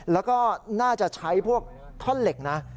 แล้วก็น่าจะใช้พวกท่อนเหล็กนะ